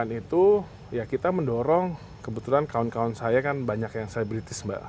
dan selain itu ya kita mendorong kebetulan kawan kawan saya kan banyak yang selebritis mbak